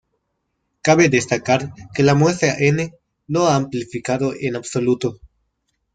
Cabe destacar que la muestra N no ha amplificado en absoluto.